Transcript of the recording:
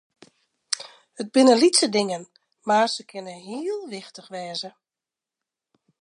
It binne lytse dingen, mar se kinne heel wichtich wêze.